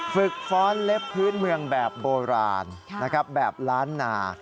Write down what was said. ฝึกฟ้อนเล็บพื้นเมืองแบบโบราณแบบล้านนา